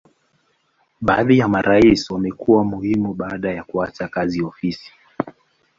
Baadhi ya marais wamekuwa muhimu baada ya kuacha kazi ofisi.